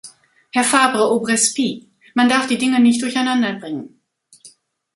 Herr Fabre-Aubrespy, man darf die Dinge nicht durcheinanderbringen.